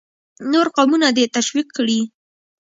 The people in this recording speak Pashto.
نور قومونه دې ته تشویق کړي.